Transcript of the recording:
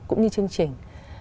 cũng như chương trình